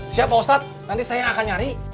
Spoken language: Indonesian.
siap pak ustadz nanti saya akan nyari